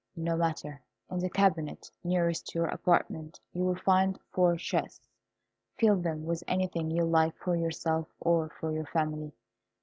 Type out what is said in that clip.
No matter. In the cabinet nearest to your apartment you will find four chests. Fill them with anything you like for yourself or for your family.